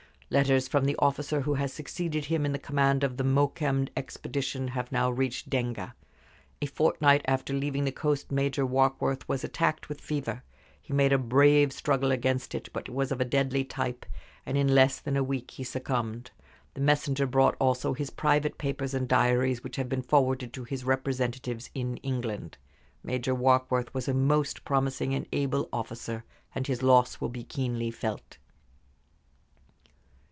Letters from the officer who has succeeded him in the command of the Mokembe expedition have now reached Denga. A fortnight after leaving the coast Major Warkworth was attacked with fever; he made a brave struggle against it, but it was of a deadly type, and in less than a week he succumbed. The messenger brought also his private papers and diaries, which have been forwarded to his representatives in England. Major Warkworth was a most promising and able officer, and his loss will be keenly felt."